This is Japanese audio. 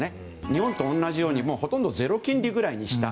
日本と同じようにほとんどゼロ金利ぐらいにした。